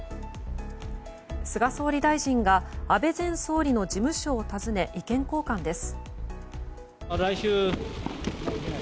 菅総理大臣が安倍前総理の事務所を訪ね意見交換です。